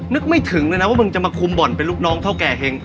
นึกไม่ถึงเลยนะว่ามึงจะมาคุมบ่อนเป็นลูกน้องเท่าแก่เห็ง